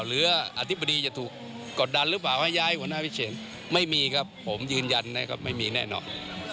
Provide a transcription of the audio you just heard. อธิบดีจะถูกกดดันหรือเปล่าให้ย้ายหัวหน้าวิเชียนไม่มีครับผมยืนยันนะครับไม่มีแน่นอน